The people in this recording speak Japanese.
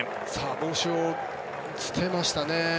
帽子を捨てましたね。